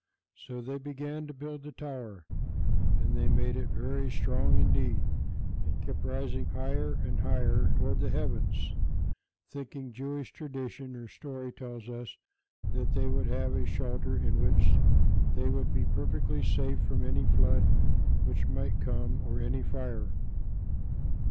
So they began to build the tower, and they made it very strong indeed, and kept raising it higher and higher toward the heavens, thinking, Jewish tradition, or story, tells us, that they would have a shelter in which they would be perfectly safe from any flood which might come, or any fire.